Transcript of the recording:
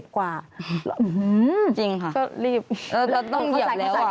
๑๖๐กว่า